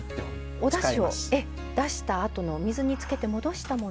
おだしを出したあとの水につけて戻したもの。